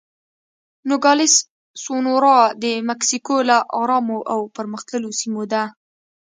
نوګالس سونورا د مکسیکو له ارامو او پرمختللو سیمو ده.